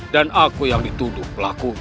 dan aku yang dituduh pelakunya